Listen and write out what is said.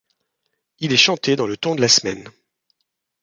Il est chanté dans le ton de la semaine.